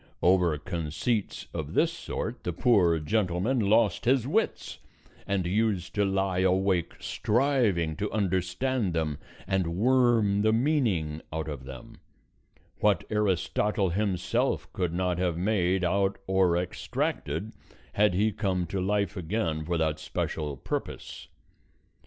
Over conceits of this sort the poor gentleman lost his wits, and used to lie awake striving to understand them and worm the meaning out of them; what Aristotle himself could not have made out or extracted, had he come to life again for that special purpose.